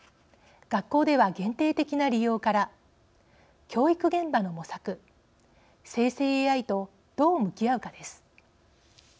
学校では限定的な利用から教育現場の模索生成ＡＩとどう向き合うか、です。